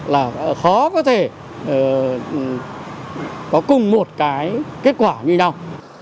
là khó có thể có cùng một cái kết quả như nhau